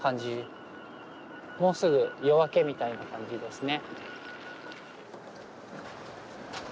もうすぐ夜明けみたいな感じですね。